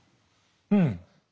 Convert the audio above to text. うん。